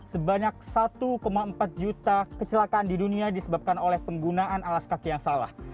sebanyak satu empat juta kecelakaan di dunia disebabkan oleh penggunaan alas kaki yang salah